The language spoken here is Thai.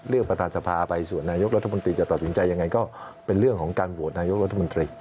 ประธานสภาไปส่วนนายกรัฐมนตรีจะตัดสินใจยังไงก็เป็นเรื่องของการโหวตนายกรัฐมนตรี